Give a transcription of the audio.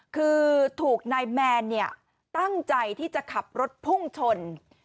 คือถูกนายแมนตั้งใจที่จะขับรถพุ่งชน